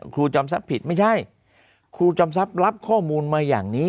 จอมทรัพย์ผิดไม่ใช่ครูจอมทรัพย์รับข้อมูลมาอย่างนี้